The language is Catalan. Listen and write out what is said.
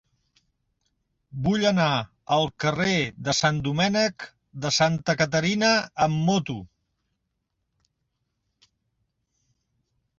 Vull anar al carrer de Sant Domènec de Santa Caterina amb moto.